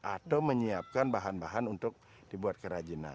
atau menyiapkan bahan bahan untuk dibuat kerajinan